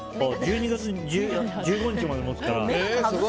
１２月１５日まで持つから。